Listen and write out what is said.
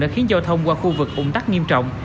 đã khiến giao thông qua khu vực ủng tắc nghiêm trọng